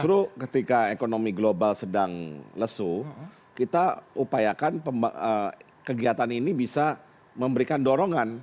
justru ketika ekonomi global sedang lesu kita upayakan kegiatan ini bisa memberikan dorongan